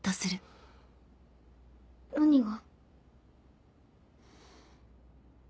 何が？